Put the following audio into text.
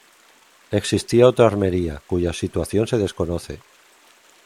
Existía otra armería, cuya situación se desconoce.